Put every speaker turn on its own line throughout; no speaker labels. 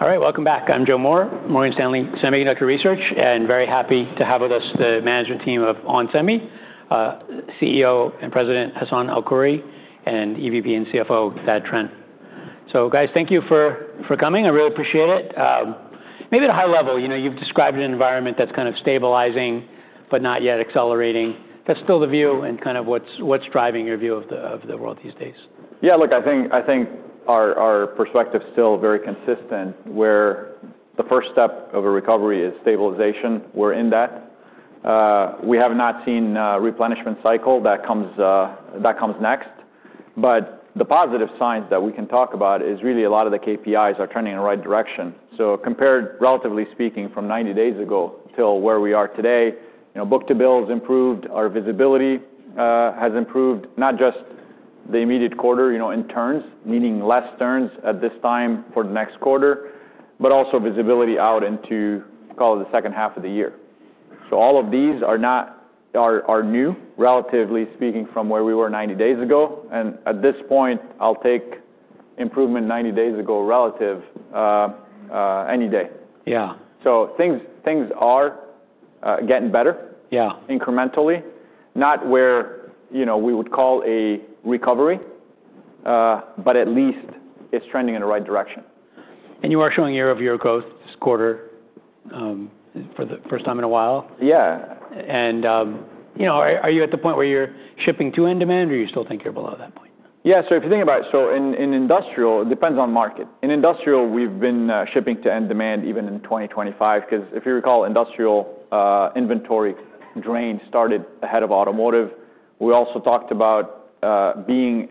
All right, welcome back. I'm Joseph Moore, Morgan Stanley Semiconductor Research, very happy to have with us the management team of onsemi, CEO and President, Hassane El-Khoury, and EVP and CFO, Thad Trent. Guys, thank you for coming. I really appreciate it. Maybe at a high level, you know, you've described an environment that's kind of stabilizing but not yet accelerating. That's still the view and kind of what's driving your view of the world these days.
Look, I think our perspective's still very consistent, where the first step of a recovery is stabilization. We're in that. We have not seen a replenishment cycle that comes next. The positive signs that we can talk about is really a lot of the KPIs are trending in the right direction. Compared relatively speaking from 90 days ago till where we are today, you know, book-to-bill's improved. Our visibility has improved, not just the immediate quarter, you know, in turns, meaning less turns at this time for the next quarter, but also visibility out into, call it, the second half of the year. All of these are new, relatively speaking, from where we were 90 days ago, and at this point I'll take improvement 90 days ago relative any day.
Yeah.
Things are getting better.
Yeah.
Incrementally. Not where, you know, we would call a recovery, but at least it's trending in the right direction.
You are showing year-over-year growth this quarter, for the first time in a while.
Yeah.
You know, are you at the point where you're shipping to end demand or you still think you're below that point?
Yeah. If you think about it, in industrial, it depends on market. In industrial, we've been shipping to end demand even in 2025, 'cause if you recall, industrial inventory drain started ahead of automotive. We also talked about being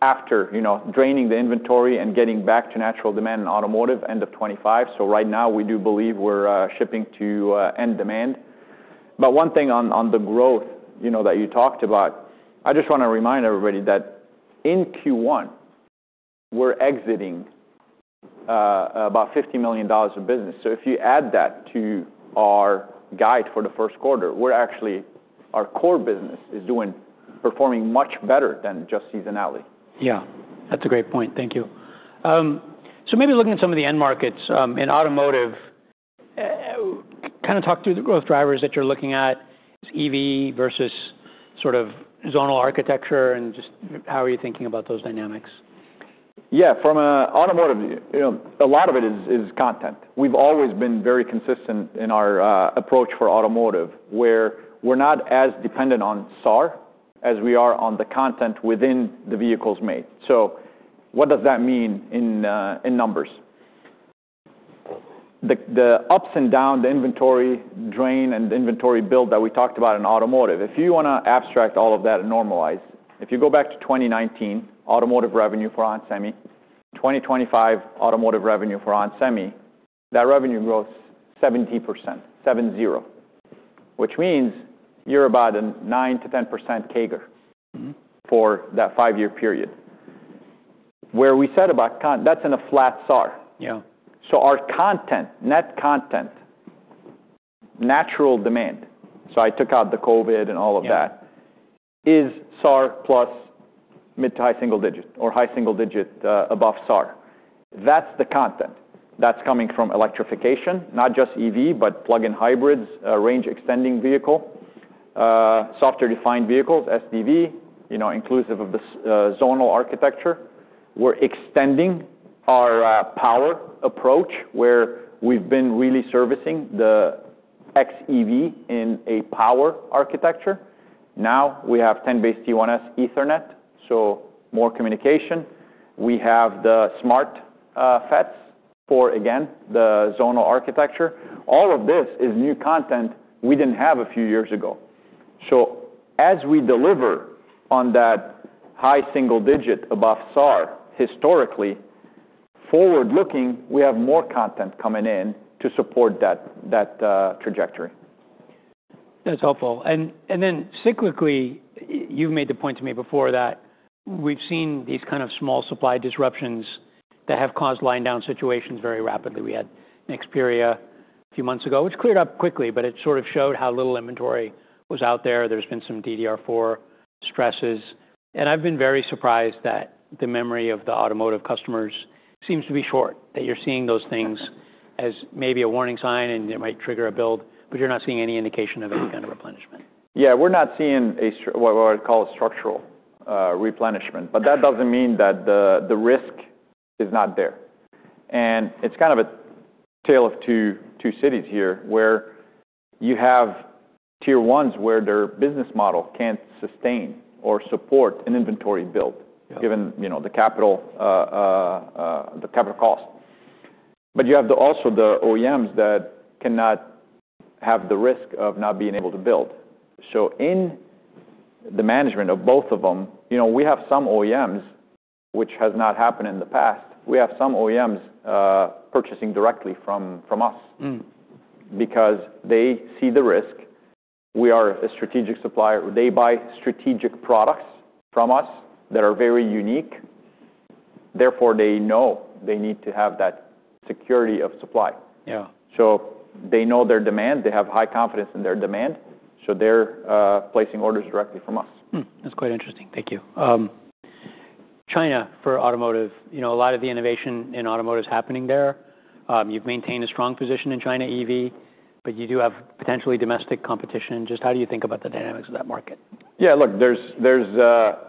after, you know, draining the inventory and getting back to natural demand in automotive end of 2025. Right now we do believe we're shipping to end demand. One thing on the growth, you know, that you talked about, I just wanna remind everybody that in Q1 we're exiting about $50 million in business. If you add that to our guide for the first quarter, we're actually performing much better than just seasonality.
Yeah. That's a great point. Thank you. Maybe looking at some of the end markets, in automotive, kind of talk through the growth drivers that you're looking at, EV versus sort of zonal architecture, and just how are you thinking about those dynamics?
From an automotive view, you know, a lot of it is content. We've always been very consistent in our approach for automotive, where we're not as dependent on SAR as we are on the content within the vehicles made. What does that mean in numbers? The ups and down, the inventory drain and the inventory build that we talked about in automotive, if you wanna abstract all of that and normalize, if you go back to 2019 automotive revenue for onsemi, 2025 automotive revenue for onsemi, that revenue growth's 70%, seven zero, which means you're about a 9%-10% CAGR for that five-year period. Where we said about That's in a flat SAR.
Yeah.
Our content, net content, natural demand, so I took out the COVID and all of that.
Yeah.
Is SAR plus mid to high single-digit or high single-digit above SAR. That's the content. That's coming from electrification, not just EV, but plug-in hybrids, range extending vehicle, software defined vehicles, SDV, you know, inclusive of the zonal architecture. We're extending our power approach, where we've been really servicing the xEV in a power architecture. Now we have 10BASE-T1S Ethernet, so more communication. We have the SmartFETs for, again, the zonal architecture. All of this is new content we didn't have a few years ago. As we deliver on that high single-digit above SAR historically, forward-looking, we have more content coming in to support that trajectory.
That's helpful. Then cyclically, you've made the point to me before that we've seen these kind of small supply disruptions that have caused line down situations very rapidly. We had Nexperia a few months ago, which cleared up quickly, but it sort of showed how little inventory was out there. There's been some DDR4 stresses, and I've been very surprised that the memory of the automotive customers seems to be short, that you're seeing those things as maybe a warning sign and it might trigger a build, but you're not seeing any indication of any kind of replenishment.
Yeah. We're not seeing a what I would call a structural replenishment, but that doesn't mean that the risk is not there. It's kind of a tale of two cities here, where you have tier ones where their business model can't sustain or support an inventory build.
Yeah.
Given, you know, the capital, the capital cost. You have also the OEMs that cannot have the risk of not being able to build. In the management of both of them, you know, we have some OEMs, which has not happened in the past, we have some OEMs purchasing directly from us. Because they see the risk. We are a strategic supplier. They buy strategic products from us that are very unique, therefore they know they need to have that security of supply.
Yeah.
They know their demand, they have high confidence in their demand, so they're placing orders directly from us.
That's quite interesting. Thank you. China for automotive, you know, a lot of the innovation in automotive's happening there. You've maintained a strong position in China EV, but you do have potentially domestic competition. Just how do you think about the dynamics of that market?
Yeah, look, there's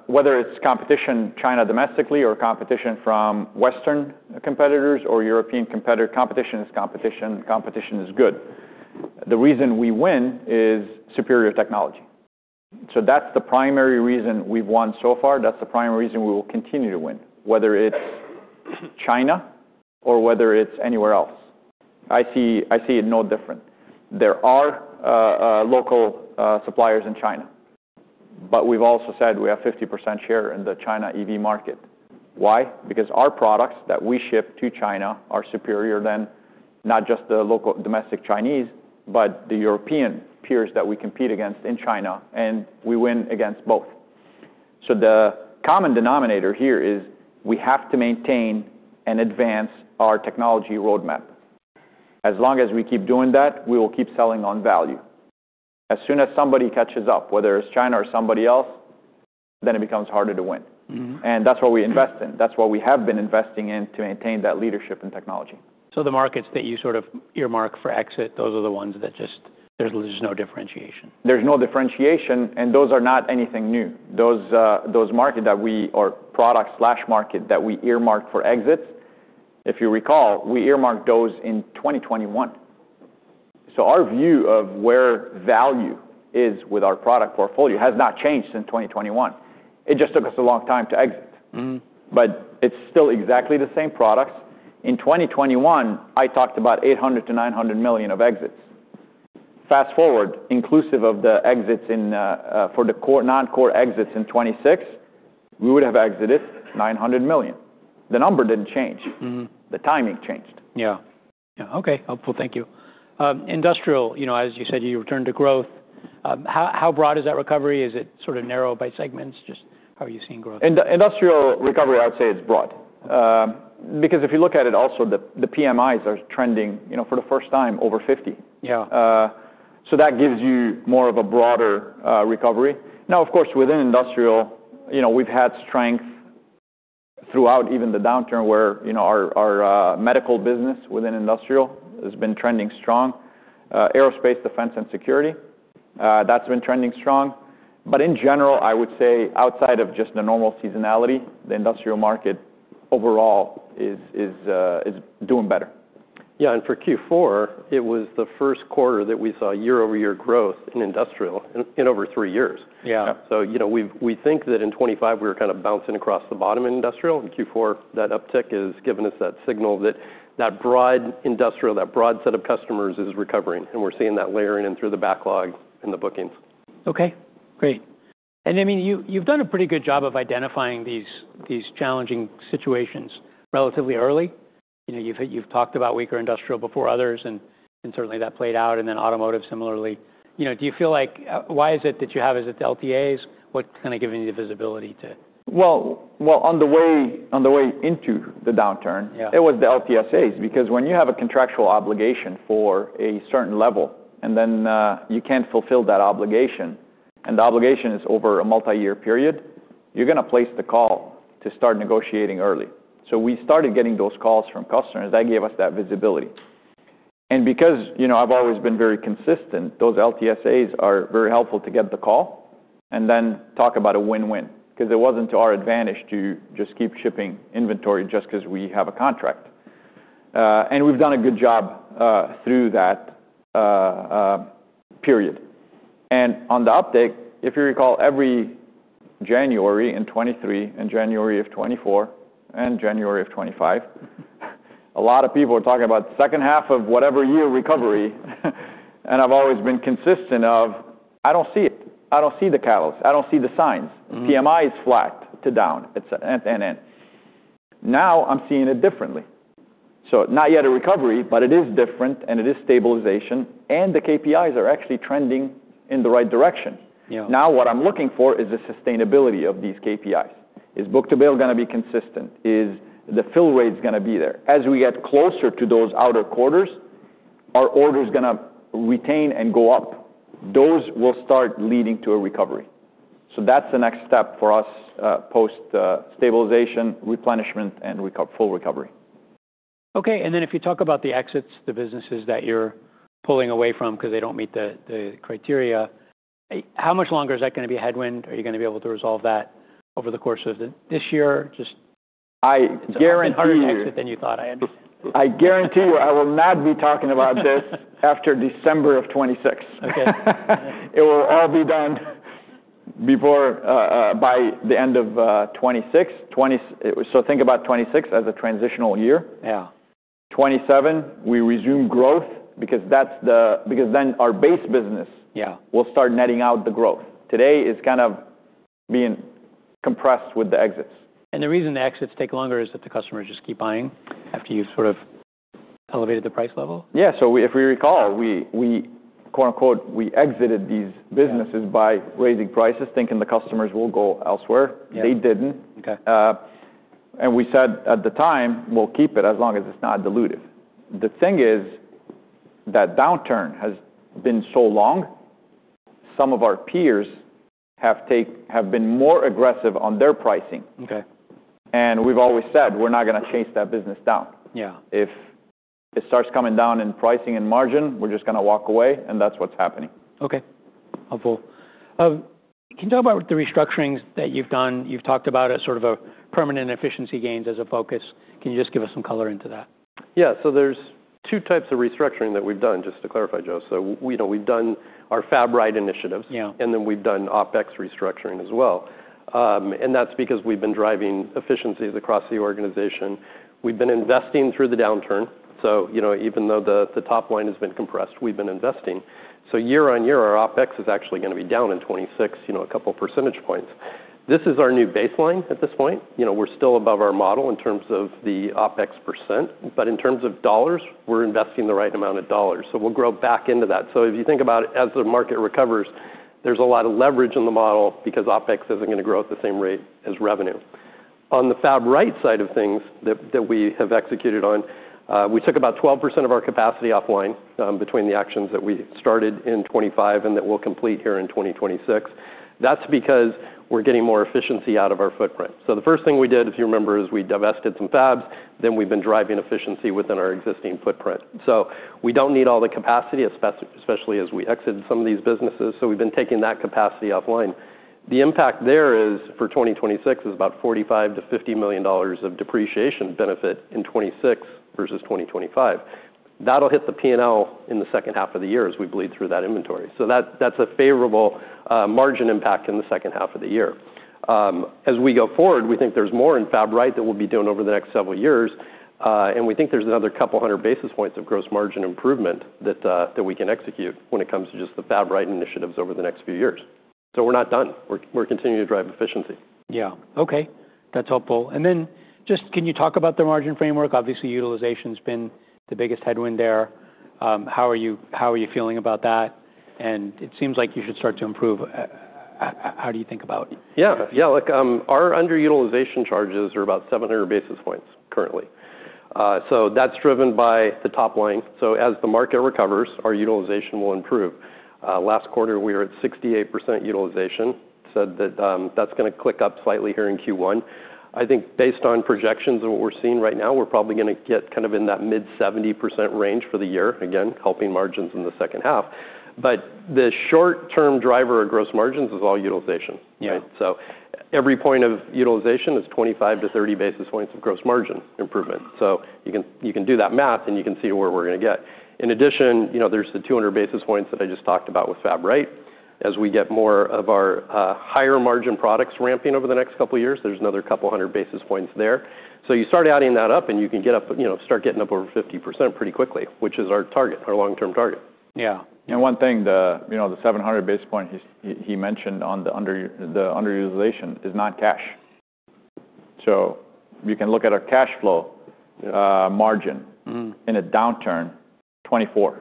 whether it's competition China domestically or competition from Western competitors or European competitor, competition is competition. Competition is good. The reason we win is superior technology. That's the primary reason we've won so far. That's the primary reason we will continue to win, whether it's China or whether it's anywhere else. I see it no different. There are local suppliers in China, but we've also said we have 50% share in the China EV market. Why? Because our products that we ship to China are superior than not just the local domestic Chinese, but the European peers that we compete against in China, and we win against both. The common denominator here is we have to maintain and advance our technology roadmap. As long as we keep doing that, we will keep selling on value. As soon as somebody catches up, whether it's China or somebody else, then it becomes harder to win. That's what we invest in. That's what we have been investing in to maintain that leadership in technology.
The markets that you sort of earmark for exit, those are the ones that just there's just no differentiation.
There's no differentiation. Those are not anything new. Those market that we or product/market that we earmarked for exits, if you recall, we earmarked those in 2021. Our view of where value is with our product portfolio has not changed since 2021. It just took us a long time to exit. It's still exactly the same products. In 2021, I talked about $800 million-$900 million of exits. Fast-forward, inclusive of the exits for the non-core exits in 2026, we would have exited $900 million. The number didn't change. The timing changed.
Yeah. Yeah. Okay. Helpful. Thank you. Industrial, you know, as you said, you returned to growth. How broad is that recovery? Is it sort of narrow by segments? Just how are you seeing growth?
Industrial recovery, I would say, is broad. Because if you look at it also, the PMIs are trending, you know, for the first time over 50.
Yeah.
That gives you more of a broader recovery. Now, of course, within industrial, you know, we've had strength throughout even the downturn where, you know, our medical business within industrial has been trending strong. Aerospace defense and security, that's been trending strong. In general, I would say outside of just the normal seasonality, the industrial market overall is doing better.
Yeah. For Q4, it was the first quarter that we saw year-over-year growth in industrial in over three years.
Yeah.
You know, we think that in 2025 we were kind of bouncing across the bottom in industrial. In Q4, that uptick has given us that signal that that broad industrial, that broad set of customers is recovering, and we're seeing that layering in through the backlog in the bookings.
Okay, great. I mean, you've done a pretty good job of identifying these challenging situations relatively early. You know, you've talked about weaker industrial before others, certainly that played out then automotive similarly. You know, do you feel like, why is it that you have? Is it the LTAs? What's kind of giving you the visibility to?
Well, on the way into the downturn. It was the LTSAs because when you have a contractual obligation for a certain level and then you can't fulfill that obligation, and the obligation is over a multi-year period, you're gonna place the call to start negotiating early. We started getting those calls from customers that gave us that visibility. Because, you know, I've always been very consistent, those LTSAs are very helpful to get the call and then talk about a win-win 'cause it wasn't to our advantage to just keep shipping inventory just 'cause we have a contract. We've done a good job through that period. On the uptake, if you recall, every January in 2023 and January of 2024 and January of 2025, a lot of people are talking about second half of whatever year recovery, and I've always been consistent of, I don't see it. I don't see the catalyst. I don't see the signs. PMI is flat to down. It's end to end. Now I'm seeing it differently. Not yet a recovery, but it is different and it is stabilization, and the KPIs are actually trending in the right direction.
Yeah.
Now what I'm looking for is the sustainability of these KPIs. Is book-to-bill gonna be consistent? Is the fill rates gonna be there? As we get closer to those outer quarters, are orders gonna retain and go up? Those will start leading to a recovery. That's the next step for us, post stabilization, replenishment, and full recovery.
Okay. If you talk about the exits, the businesses that you're pulling away from 'cause they don't meet the criteria, how much longer is that gonna be a headwind? Are you gonna be able to resolve that over the course of this year?
I guarantee you. I guarantee you I will not be talking about this after December of 2026.
Okay.
It will all be done before by the end of 2026. Think about 2026 as a transitional year.
Yeah.
2027, we resume growth because then our base business.
Yeah.
Will start netting out the growth. Today it's kind of being compressed with the exits.
The reason the exits take longer is that the customers just keep buying after you've sort of elevated the price level?
Yeah. If we recall, we quote unquote, we exited these businesses by raising prices, thinking the customers will go elsewhere.
Yeah.
They didn't.
Okay.
We said at the time, we'll keep it as long as it's not dilutive. The thing is that downturn has been so long, some of our peers have been more aggressive on their pricing.
Okay.
We've always said, we're not gonna chase that business down.
Yeah.
If it starts coming down in pricing and margin, we're just gonna walk away, and that's what's happening.
Okay. Helpful. Can you talk about the restructurings that you've done? You've talked about a sort of a permanent efficiency gains as a focus. Can you just give us some color into that?
Yeah. There's two types of restructuring that we've done, just to clarify, Joe. We know we've done our Fab Right initiatives.
Yeah.
We've done OpEx restructuring as well. That's because we've been driving efficiencies across the organization. We've been investing through the downturn, you know, even though the top line has been compressed, we've been investing. Year-over-year, our OpEx is actually gonna be down in 2026, you know, a couple percentage points. This is our new baseline at this point. You know, we're still above our model in terms of the OpEx percent, but in terms of dollars, we're investing the right amount of dollars, we'll grow back into that. If you think about it, as the market recovers, there's a lot of leverage in the model because OpEx isn't gonna grow at the same rate as revenue. On the Fab Right side of things that we have executed on, we took about 12% of our capacity offline between the actions that we started in 2025 and that we'll complete here in 2026. That's because we're getting more efficiency out of our footprint. The first thing we did, if you remember, is we divested some fabs, then we've been driving efficiency within our existing footprint. We don't need all the capacity, especially as we exited some of these businesses, so we've been taking that capacity offline. The impact there is, for 2026, is about $45 million-$50 million of depreciation benefit in 2026 versus 2025. That'll hit the P&L in the second half of the year as we bleed through that inventory. That's a favorable margin impact in the second half of the year. As we go forward, we think there's more in Fab Right that we'll be doing over the next several years, and we think there's another couple hundred basis points of gross margin improvement that we can execute when it comes to just the Fab Right initiatives over the next few years. We're not done. We're continuing to drive efficiency.
Yeah. Okay. That's helpful. Then just can you talk about the margin framework? Obviously, utilization's been the biggest headwind there. How are you feeling about that? It seems like you should start to improve. How do you think about it?
Our underutilization charges are about 700 basis points currently. That's driven by the top line. As the market recovers, our utilization will improve. Last quarter, we were at 68% utilization, that's gonna click up slightly here in Q1. I think based on projections and what we're seeing right now, we're probably gonna get kind of in that mid-70% range for the year, again, helping margins in the second half. The short-term driver of gross margins is all utilization, right?
Yeah.
Every point of utilization is 25 to 30 basis points of gross margin improvement. You can do that math, and you can see where we're gonna get. In addition, you know, there's the 200 basis points that I just talked about with Fab Right. As we get more of our higher margin products ramping over the next couple years, there's another couple hundred basis points there. You start adding that up, and you can get up, you know, start getting up over 50% pretty quickly, which is our target, our long-term target.
Yeah.
One thing, the, you know, the 700 basis points he mentioned on the under the underutilization is not cash. We can look at our cash flow, margin in a downturn, 24%.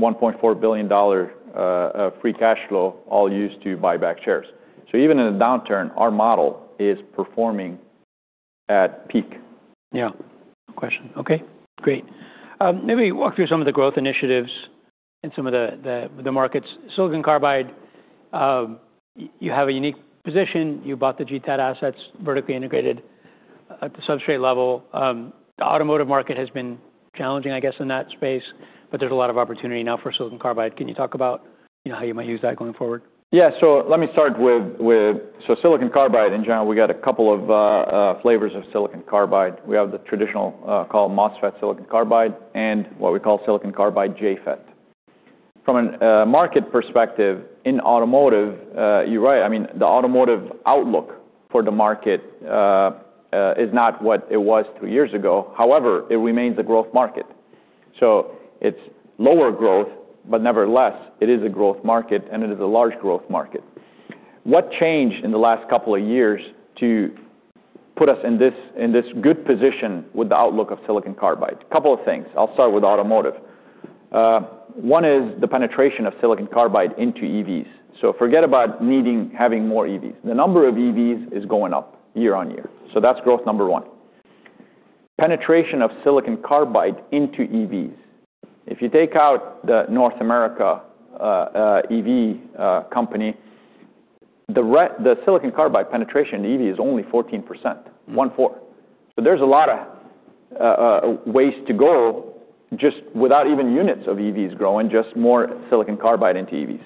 $1.4 billion free cash flow all used to buy back shares. Even in a downturn, our model is performing at peak.
Yeah. No question. Okay, great. Maybe walk through some of the growth initiatives in some of the markets. Silicon carbide, you have a unique position. You bought the GTAT assets vertically integrated at the substrate level. The automotive market has been challenging, I guess, in that space, but there's a lot of opportunity now for silicon carbide. Can you talk about, you know, how you might use that going forward?
Let me start with silicon carbide in general, we got a couple of flavors of silicon carbide. We have the traditional called MOSFET silicon carbide and what we call silicon carbide JFET. From an market perspective in automotive, you're right. I mean, the automotive outlook for the market is not what it was two years ago. However, it remains a growth market. It's lower growth, but nevertheless, it is a growth market, and it is a large growth market. What changed in the last couple of years to put us in this, in this good position with the outlook of silicon carbide? A couple of things. I'll start with automotive. One is the penetration of silicon carbide into EVs. Forget about needing having more EVs. The number of EVs is going up year on year. That's growth number one. Penetration of silicon carbide into EVs. If you take out the North America EV company, the silicon carbide penetration in EV is only 14%, 1/4. There's a lot of ways to go just without even units of EVs growing, just more silicon carbide into EVs.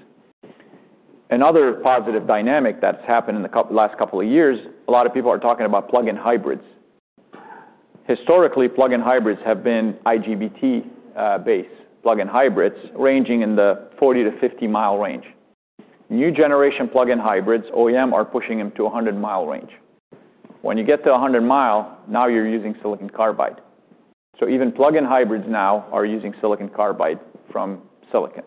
Another positive dynamic that's happened in the last couple of years, a lot of people are talking about plug-in hybrids. Historically, plug-in hybrids have been IGBT-based plug-in hybrids ranging in the 40-50-mile range. New generation plug-in hybrids, OEM are pushing them to a 100-mile range. When you get to a 100 mile, now you're using silicon carbide. Even plug-in hybrids now are using silicon carbide from silicon.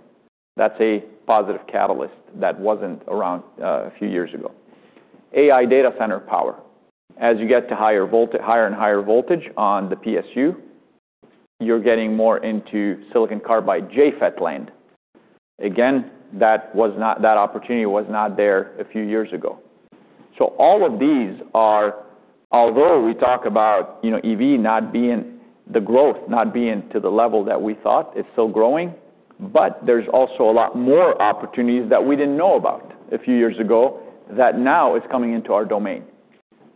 That's a positive catalyst that wasn't around a few years ago. AI data center power. As you get to higher and higher voltage on the PSU, you're getting more into silicon carbide JFET land. Again, that opportunity was not there a few years ago. All of these are, although we talk about, you know, EV not being the growth, not being to the level that we thought, it's still growing, but there's also a lot more opportunities that we didn't know about a few years ago that now is coming into our domain.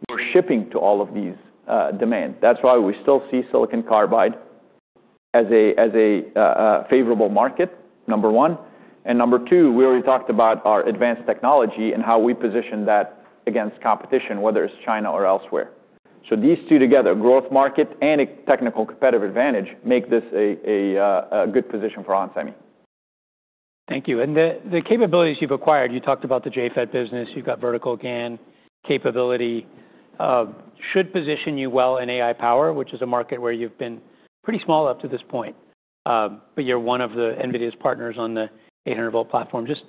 We're shipping to all of these demands. That's why we still see silicon carbide as a favorable market, number one. Number two, we already talked about our advanced technology and how we position that against competition, whether it's China or elsewhere. These two together, growth market and a technical competitive advantage, make this a good position for onsemi.
Thank you. The capabilities you've acquired, you talked about the JFET business, you've got vertical GaN capability, should position you well in AI power, which is a market where you've been pretty small up to this point. You're one of NVIDIA's partners on the 800 volt platform. Just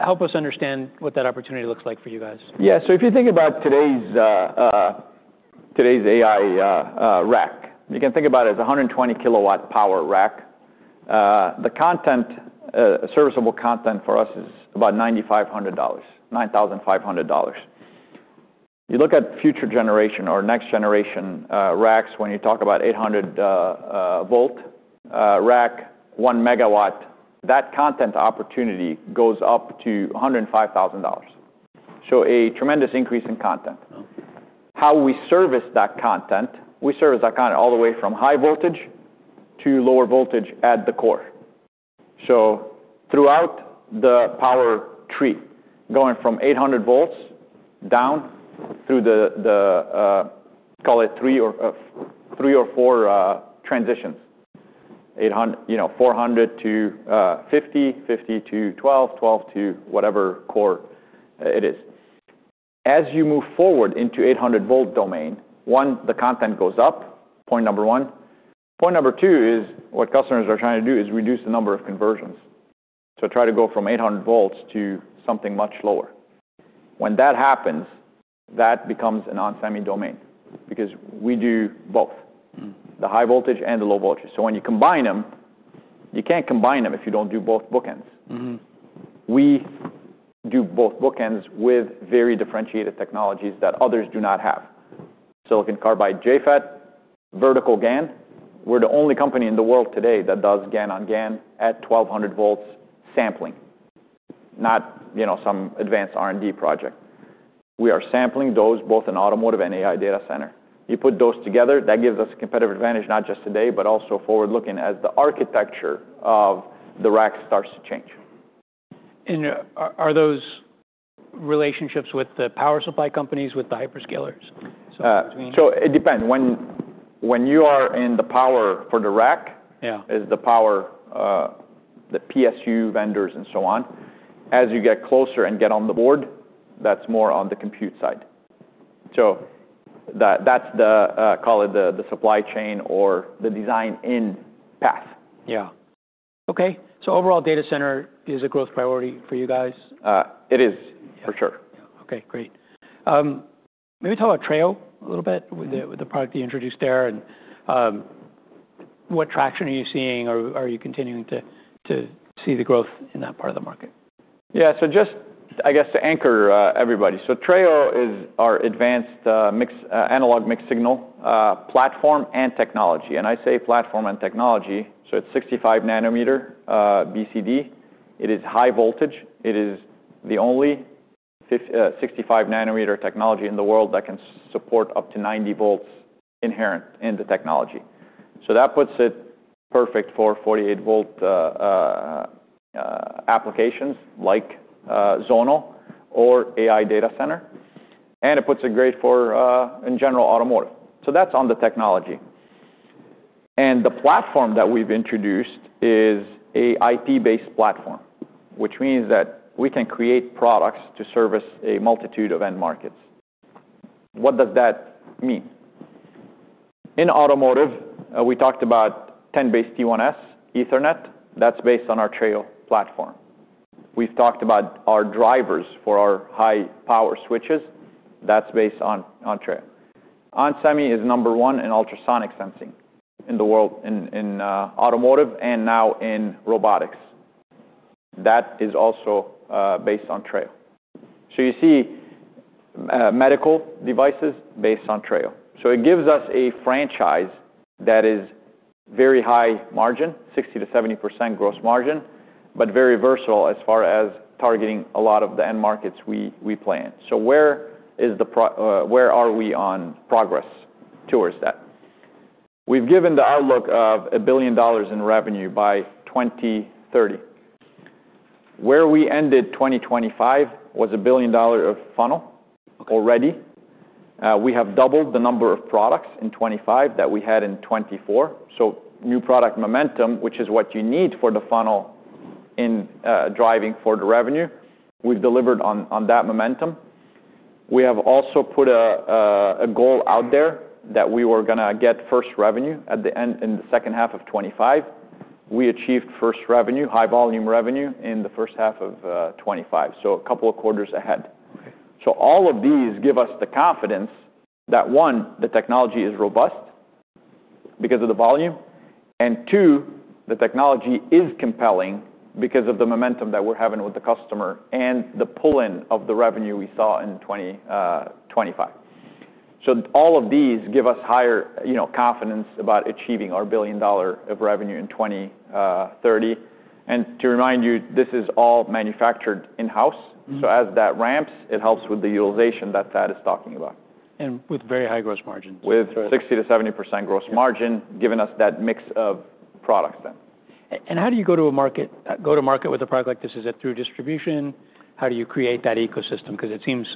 help us understand what that opportunity looks like for you guys.
Yeah. If you think about today's AI rack, you can think about it as a 120 kW power rack. The content, serviceable content for us is about $9,500, $9,500. You look at future generation or next generation racks, when you talk about 800 volt rack, 1 MW, that content opportunity goes up to $105,000. A tremendous increase in content. How we service that content, we service that content all the way from high voltage to lower voltage at the core. Throughout the power tree, going from 800 volts down through the, call it three or four transitions. You know, 400 to 50, 50 to 12, 12 to whatever core it is. As you move forward into 800 volt domain, one, the content goes up, point number one. Point number two is what customers are trying to do is reduce the number of conversions. Try to go from 800 volts to something much lower. When that happens, that becomes an onsemi domain because we do both. The high voltage and the low voltage. When you combine them, you can't combine them if you don't do both bookends. We do both bookends with very differentiated technologies that others do not have. silicon carbide JFET, vertical GaN. We're the only company in the world today that does GaN-on-GaN at 1,200 volts sampling, not, you know, some advanced R&D project. We are sampling those both in automotive and AI data center. You put those together, that gives us competitive advantage not just today, but also forward-looking as the architecture of the rack starts to change.
Are those relationships with the power supply companies, with the hyperscalers?
It depends. When you are in the power for the rack-
Yeah.
Is the power, the PSU vendors and so on. As you get closer and get on the board, that's more on the compute side. That's the, call it the supply chain or the design in path.
Yeah. Okay. overall data center is a growth priority for you guys?
It is for sure.
Okay, great. maybe talk about Treo a little bit with the, with the product you introduced there and, what traction are you seeing or are you continuing to see the growth in that part of the market?
Yeah. Just I guess to anchor everybody. Treo is our advanced analog mixed-signal platform and technology. And I say platform and technology, it's 65 nanometer BCD. It is high voltage. It is the only 65 nanometer technology in the world that can support up to 90 volts inherent in the technology. That puts it perfect for 48 volt applications like zonal or AI data center, and it puts it great for in general automotive. That's on the technology. The platform that we've introduced is a IP-based platform, which means that we can create products to service a multitude of end markets. What does that mean? In automotive, we talked about 10BASE-T1S Ethernet. That's based on our Treo platform. We've talked about our drivers for our high power switches. That's based on Treo. onsemi is number one in ultrasonic sensing in the world in automotive and now in robotics. That is also based on Treo. You see medical devices based on Treo. It gives us a franchise that is very high margin, 60%-70% gross margin, but very versatile as far as targeting a lot of the end markets we plan. Where are we on progress towards that? We've given the outlook of $1 billion in revenue by 2030. Where we ended 2025 was $1 billion of funnel already. We have doubled the number of products in 2025 that we had in 2024. New product momentum, which is what you need for the funnel in, driving for the revenue, we've delivered on that momentum. We have also put a goal out there that we were going to get first revenue in the second half of 2025. We achieved first revenue, high volume revenue in the first half of 2025, so a couple of quarters ahead. All of these give us the confidence that, one, the technology is robust because of the volume, and two, the technology is compelling because of the momentum that we're having with the customer and the pull-in of the revenue we saw in 2025. All of these give us higher, you know, confidence about achieving our $1 billion of revenue in 2030. To remind you, this is all manufactured in-house. As that ramps, it helps with the utilization that Thad is talking about.
With very high gross margins.
With 60%-70% gross margin, giving us that mix of products then.
How do you go to market with a product like this? Is it through distribution? How do you create that ecosystem? It seems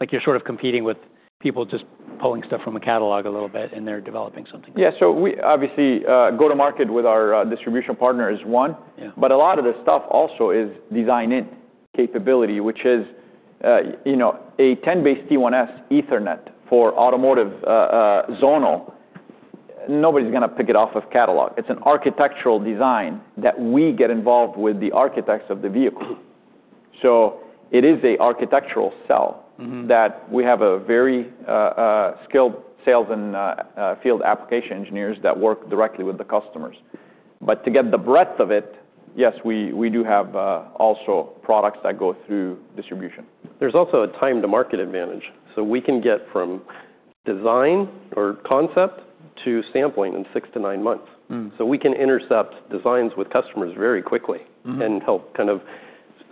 like you're sort of competing with people just pulling stuff from a catalog a little bit, and they're developing something.
Yeah. We obviously, go to market with our, distribution partner is one.
Yeah.
A lot of this stuff also is design-in capability, which is, you know, a 10BASE-T1S Ethernet for automotive, zonal. Nobody's gonna pick it off of catalog. It's an architectural design that we get involved with the architects of the vehicle. It is a architectural sell, that we have a very skilled sales and field application engineers that work directly with the customers. To get the breadth of it, yes, we do have also products that go through distribution.
There's also a time-to-market advantage. We can get from design or concept to sampling in six to nine months. We can intercept designs with customers very quickly. And help kind of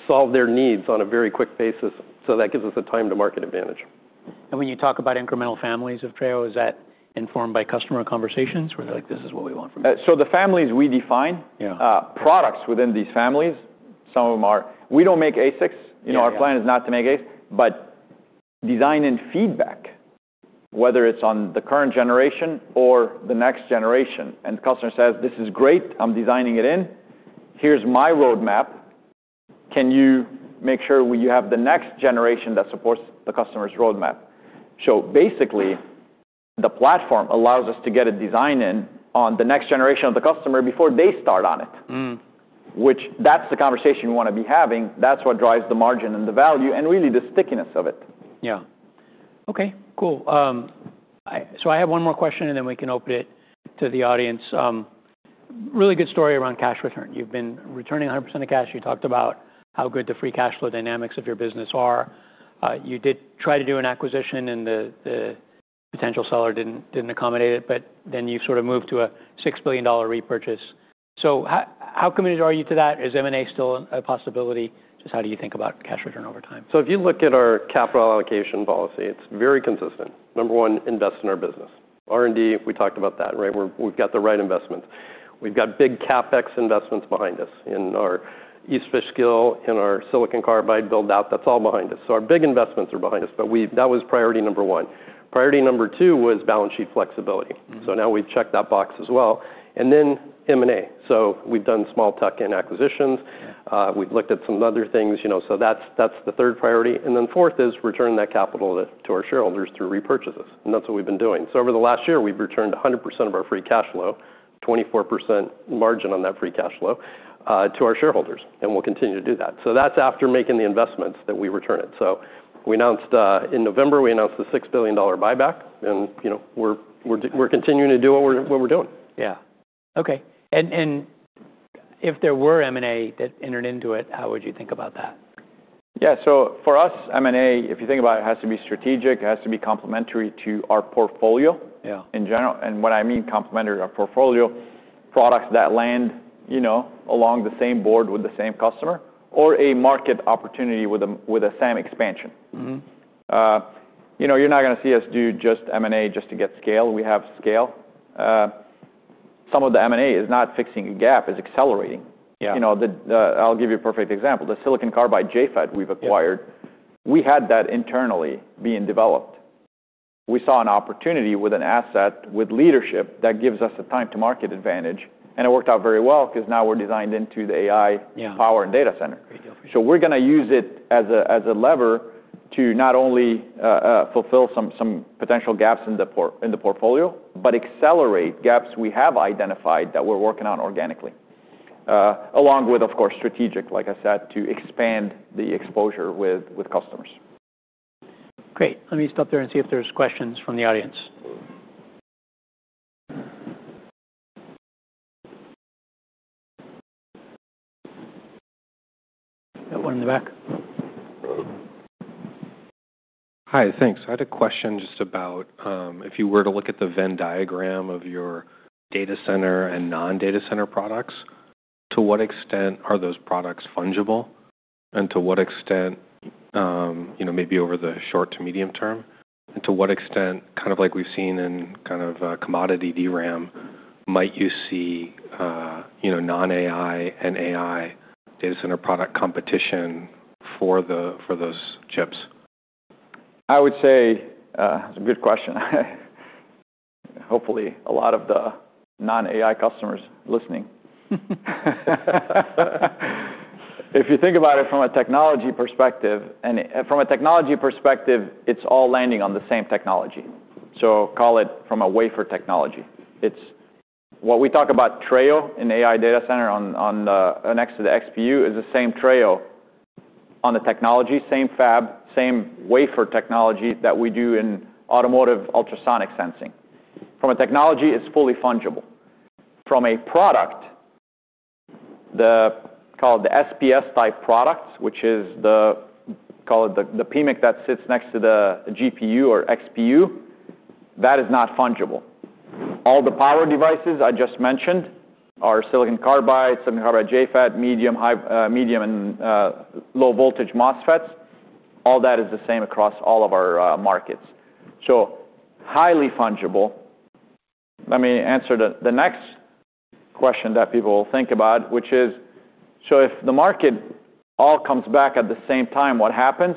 solve their needs on a very quick basis. That gives us a time to market advantage.
When you talk about incremental families of Treo, is that informed by customer conversations where they're like, "This is what we want from you"?
The families we define.
Yeah.
Products within these families, some of them are-- we don't make ASICs.
Yeah.
You know, our plan is not to make ASICs, but design and feedback, whether it's on the current generation or the next generation, the customer says, "This is great. I'm designing it in. Here's my roadmap. Can you make sure we have the next generation that supports the customer's roadmap?" Basically, the platform allows us to get a design in on the next generation of the customer before they start on it. Which that's the conversation we wanna be having. That's what drives the margin and the value and really the stickiness of it.
Yeah. Okay, cool. I have one more question, and then we can open it to the audience. Really good story around cash return. You've been returning 100% of cash. You talked about how good the free cash flow dynamics of your business are. You did try to do an acquisition and the potential seller didn't accommodate it, but then you sort of moved to a $6 billion repurchase. How committed are you to that? Is M&A still a possibility? Just how do you think about cash return over time?
If you look at our capital allocation policy, it's very consistent. Number one, invest in our business. R&D, we talked about that, right? We've got the right investments. We've got big CapEx investments behind us in our East Fishkill, in our silicon carbide build-out. That's all behind us. Our big investments are behind us. That was priority number one. Priority number two was balance sheet flexibility. Now we've checked that box as well. M&A. We've done small tuck-in acquisitions. We've looked at some other things, you know, that's the third priority. Fourth is return that capital to our shareholders through repurchases, and that's what we've been doing. Over the last year, we've returned 100% of our free cash flow, 24% margin on that free cash flow, to our shareholders, and we'll continue to do that. That's after making the investments that we return it. We announced in November, we announced the $6 billion buyback and, you know, we're continuing to do what we're doing.
Yeah. Okay. If there were M&A that entered into it, how would you think about that?
Yeah. For us, M&A, if you think about it has to be strategic, it has to be complementary to our portfolio.
Yeah.
In general. What I mean complementary to our portfolio, products that land, you know, along the same board with the same customer or a market opportunity with a, with a SAM expansion. You know, you're not gonna see us do just M&A just to get scale. We have scale. Some of the M&A is not fixing a gap, it's accelerating.
Yeah.
You know, I'll give you a perfect example. The silicon carbide JFET we've acquired.
Yeah.
We had that internally being developed. We saw an opportunity with an asset, with leadership that gives us the time to market advantage. It worked out very well because now we're designed into the AI power and data center.
Great deal for sure.
We're gonna use it as a, as a lever to not only fulfill some potential gaps in the portfolio, but accelerate gaps we have identified that we're working on organically, along with, of course, strategic, like I said, to expand the exposure with customers.
Great. Let me stop there and see if there's questions from the audience. Got one in the back.
Hi. Thanks. I had a question just about, if you were to look at the Venn diagram of your data center and non-data center products, to what extent are those products fungible, and to what extent, you know, maybe over the short to medium term, and to what extent, kind of like we've seen in kind of, commodity DRAM, might you see, you know, non-AI and AI as interproduct competition for those chips?
I would say, that's a good question. Hopefully, a lot of the non-AI customers listening. If you think about it from a technology perspective, and from a technology perspective, it's all landing on the same technology. Call it from a wafer technology. It's what we talk about Treo in AI data center next to the XPU is the same Treo on the technology, same fab, same wafer technology that we do in automotive ultrasonic sensing. From a technology, it's fully fungible. From a product, called the SPS type products, which is the, call it the PMIC that sits next to the GPU or XPU, that is not fungible. All the power devices I just mentioned are silicon carbide, silicon carbide JFET, medium and low voltage MOSFETs. All that is the same across all of our markets. Highly fungible. Let me answer the next question that people will think about, which is, if the market all comes back at the same time, what happens?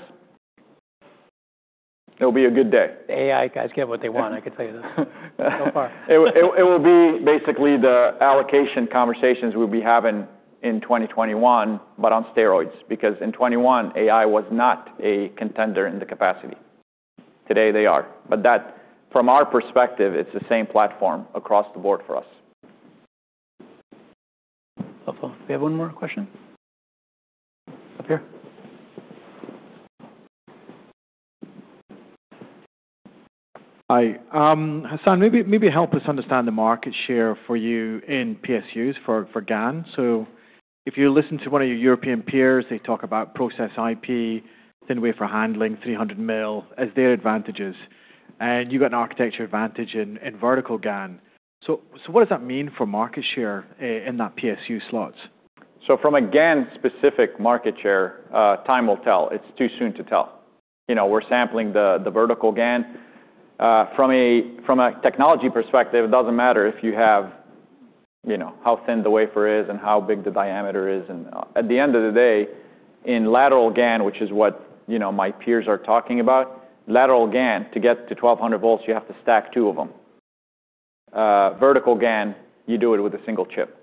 It'll be a good day.
AI guys get what they want, I can tell you this so far.
It will be basically the allocation conversations we'll be having in 2021, on steroids, because in 2021, AI was not a contender in the capacity. Today, they are. That from our perspective, it's the same platform across the board for us.
We have one more question. Up here.
Hi. Hassane, maybe help us understand the market share for you in PSUs for GaN. If you listen to one of your European peers, they talk about process IP, thin wafer handling, 300 mil as their advantages, and you got an architecture advantage in vertical GaN. What does that mean for market share in that PSU slots?
From a GaN specific market share, time will tell. It's too soon to tell. You know, we're sampling the vertical GaN. From a technology perspective, it doesn't matter if you have, you know, how thin the wafer is and how big the diameter is. At the end of the day, in lateral GaN, which is what, you know, my peers are talking about, lateral GaN, to get to 1,200 volts, you have to stack two of them. Vertical GaN, you do it with a single chip,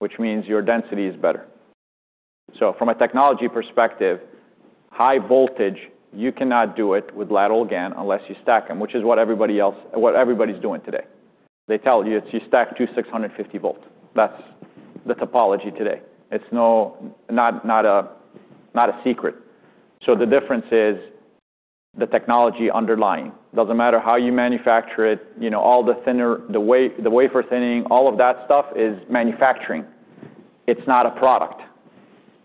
which means your density is better. From a technology perspective, high voltage, you cannot do it with lateral GaN unless you stack them, which is what everybody's doing today. They tell you, it's you stack two 650 volt. That's the topology today. It's not a secret. The difference is the technology underlying. Doesn't matter how you manufacture it. You know, all the wafer thinning, all of that stuff is manufacturing. It's not a product.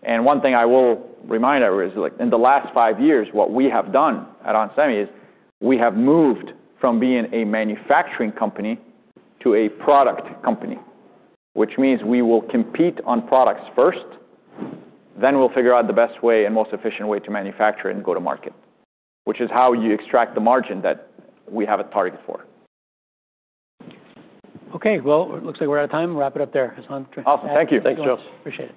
One thing I will remind everybody is like in the last five years, what we have done at onsemi is we have moved from being a manufacturing company to a product company, which means we will compete on products first, then we'll figure out the best way and most efficient way to manufacture it and go to market, which is how you extract the margin that we have a target for.
Okay. Well, it looks like we're out of time. Wrap it up there, Hassane.
Awesome. Thank you. Thanks, Joe.
Appreciate it.